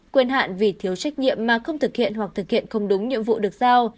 quyền hạn vì thiếu trách nhiệm mà không thực hiện hoặc thực hiện không đúng nhiệm vụ được giao